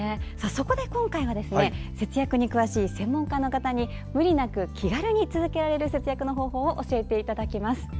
そこで今回は節約に詳しい専門家の方に無理なく気軽に続けられる節約の方法を教えていただきます。